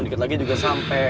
dikit lagi juga sampe